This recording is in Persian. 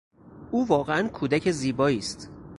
او واقعا" کودک زیبایی است.